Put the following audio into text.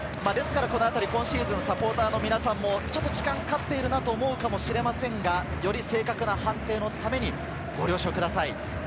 今シーズン、サポーターの皆さんもちょっと時間がかかっているなと思うかもしれませんが、より正確な判定のためにご了承ください。